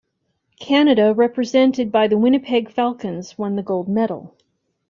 Canada, represented by the Winnipeg Falcons, won the gold medal.